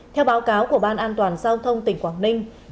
theo báo cáo của ban an toàn giao thông tỉnh quảng ninh